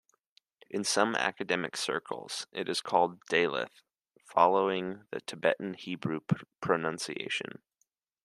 In some academic circles, it is called "daleth", following the Tiberian Hebrew pronunciation.